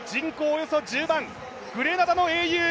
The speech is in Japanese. およそ１０万、グレナダの英雄